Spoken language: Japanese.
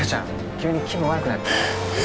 急に気分悪くなって